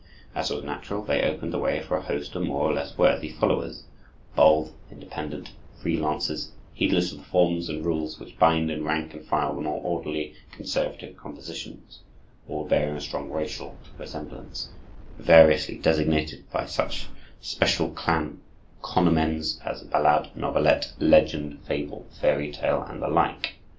As was natural, they opened the way for a host of more or less worthy followers, bold, independent free lances, heedless of the forms and rules which bind in rank and file the more orderly conservative compositions; all bearing a strong racial resemblance, but variously designated by such special clan cognomens as ballade, novelette, legend, fable, fairy tale, and the like.